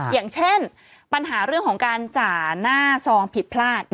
อย่างเช่นปัญหาเรื่องของการจ่าหน้าซองผิดพลาด